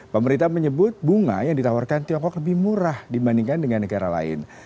pemerintah menyebut bunga yang ditawarkan tiongkok lebih murah dibandingkan dengan negara lain